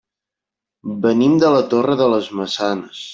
Venim de la Torre de les Maçanes.